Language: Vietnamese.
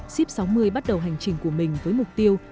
sip sáu mươi bắt đầu hành trình của mình với mục tiêu